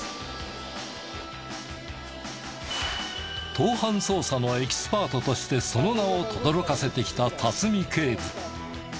盗犯捜査のエキスパートとしてその名をとどろかせてきた辰己警部。